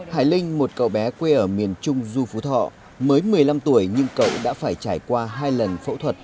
hải linh một cậu bé quê ở miền trung du phú thọ mới một mươi năm tuổi nhưng cậu đã phải trải qua hai lần phẫu thuật